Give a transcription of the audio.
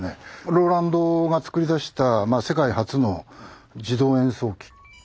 ローランドが作り出した世界初の自動演奏機。